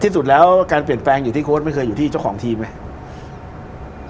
สุดแล้วการเปลี่ยนแปลงอยู่ที่โค้ดไม่เคยอยู่ที่เจ้าของทีมไหม